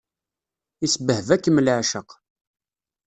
Isbehba-kem leεceq.